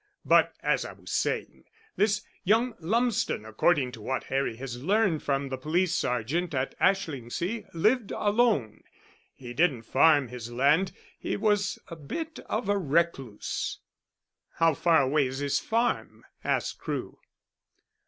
But, as I was saying, this young Lumsden, according to what Harry has learned from the police sergeant at Ashlingsea, lived alone. He didn't farm his land: he was a bit of a recluse." "How far away is his farm?" asked Crewe.